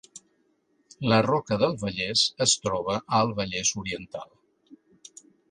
La Roca del Vallès es troba al Vallès Oriental